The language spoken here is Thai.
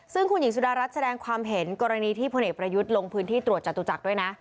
ซึ่งคุณหญิงสุดารัฐแสดงความเห็นกรณีที่พลเอกประยุทธ์ลงพื้นที่ตรวจจตุจักรด้วยนะ